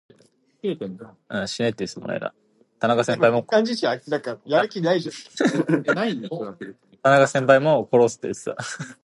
In Australia, a conveyancer is also known as a Settlement Agent.